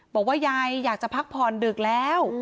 บอกว่ายายอยากจะพักผ่อนดึกแล้ว